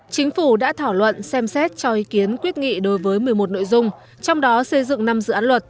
chính phủ đã thảo luận xem xét cho ý kiến quyết nghị đối với một mươi một nội dung trong đó xây dựng năm dự án luật